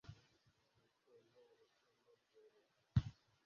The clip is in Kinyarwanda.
Urukundo urukundo rworoha